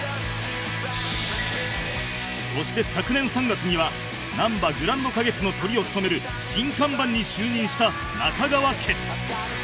そして昨年３月にはなんばグランド花月のトリを務める新看板に就任した中川家